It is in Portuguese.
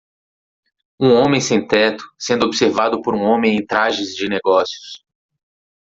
Um homem sem-teto sendo observado por um homem em trajes de negócios.